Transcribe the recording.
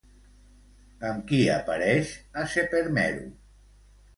Amb qui apareix a Sepermeru?